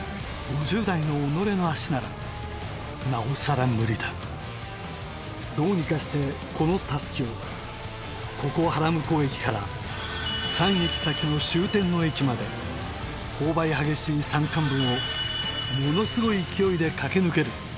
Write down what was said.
５０代の己の足ならなおさら無理だどうにかしてこの襷をここ原向駅から３駅先の終点の駅まで勾配激しい山間部をものすごい勢いで駆け抜ける